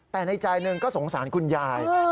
แต่ในใจหนึ่งก็สงสารคุณยาย